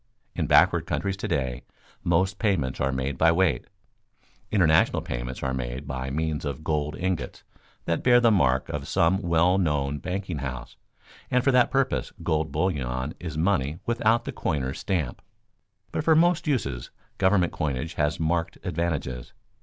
In backward countries to day most payments are made by weight. International payments are made by means of gold ingots that bear the mark of some well known banking house, and for that purpose gold bullion is money without the coiner's stamp. But for most uses government coinage has marked advantages.